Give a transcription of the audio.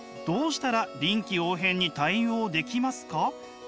どうしたら臨機応変に対応できますか？」。